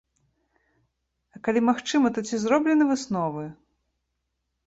А калі магчыма, то ці зроблены высновы?